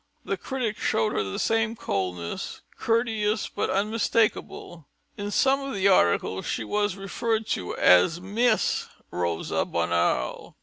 The critics showed her the same coldness, courteous but unmistakable. In some of the articles, she was referred to as Miss Rosa Bonheur.